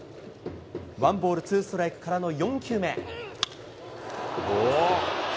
ワンボールツーストライクからの４球目。